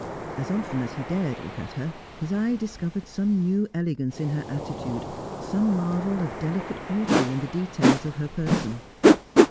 As often as he dared look at her, his eye discovered some new elegance in her attitude, some marvel of delicate beauty in the details of her person.